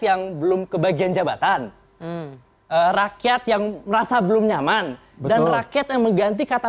yang belum kebagian jabatan rakyat yang merasa belum nyaman dan rakyat yang mengganti kata